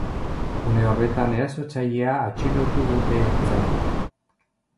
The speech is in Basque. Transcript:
Une horretan erasotzailea atxilotu dute ertzainek.